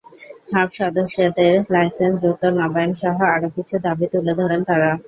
Hub সদস্যদের licence দ্রুত নবায়নসহ আরও কিছু দাবি তুলে ধরেন তাঁরা।